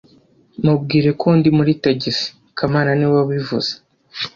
Mubwire ko ndi muri tagisi kamana niwe wabivuze